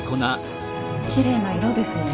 きれいな色ですよね。